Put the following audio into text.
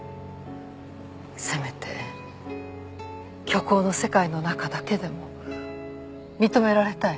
せめて虚構の世界の中だけでも認められたい